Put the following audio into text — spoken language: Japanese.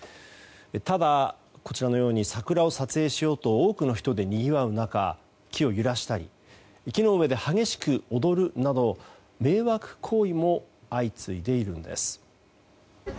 ただ、こちらのように桜を撮影しようと多くの人で、にぎわう中木を揺らしたり木の上で激しく踊るなど迷惑行為も相次いでいるんです。